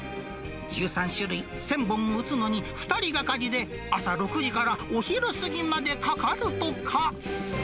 １３種類１０００本打つのに２人がかりで朝６時からお昼過ぎまでかかるとか。